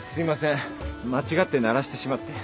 間違って鳴らしてしまって。